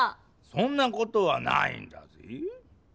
そんなことはないんだぜぇ。